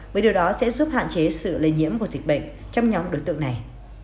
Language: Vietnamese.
với điều đó sẽ giúp hạn chế sự lây nhiễm của dịch bệnh trong nhóm đối tượng này